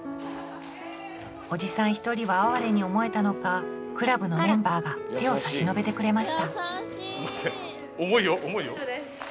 おじさん１人は哀れに思えたのかクラブのメンバーが手を差し伸べてくれましたすみません。